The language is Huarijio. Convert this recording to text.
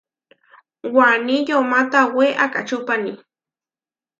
Waní yomá tawé akačúpani.